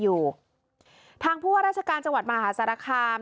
อยู่ทางผู้ว่าราชการจังหวัดมหาสารคาม